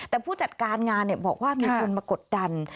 แต่ผู้จัดการงานบอกว่ามีคนมากดดัน